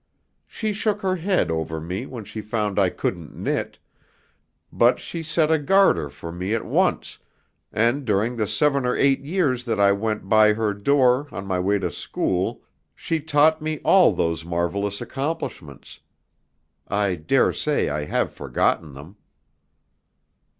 She shook her head over me when she found I couldn't knit, but she set a garter for me at once, and during the seven or eight years that I went by her door on my way to school she taught me all those marvelous accomplishments. I daresay I have forgotten them."